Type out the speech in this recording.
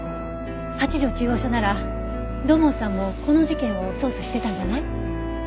八条中央署なら土門さんもこの事件を捜査してたんじゃない？